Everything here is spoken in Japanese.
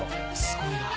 すごいな。